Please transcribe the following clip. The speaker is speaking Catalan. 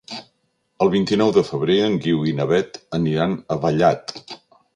El vint-i-nou de febrer en Guiu i na Beth aniran a Vallat.